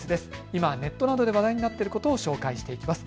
今ネットなどで話題になっていることを紹介します。